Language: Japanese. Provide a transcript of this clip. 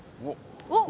おっ。